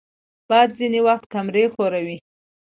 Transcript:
باد ځینې وخت کمرې ښوروي